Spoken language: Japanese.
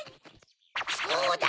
そうだ！